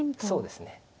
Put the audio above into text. そうですね。